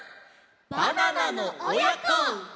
「バナナのおやこ」！